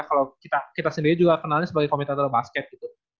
kalau kita sendiri juga kenalnya sebagai komited basket gitu